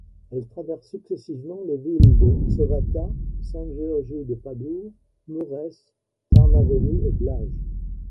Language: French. Elle traverse successivement les villes de Sovata, Sângeorgiu de Pădure, Mureș, Târnăveni et Blaj.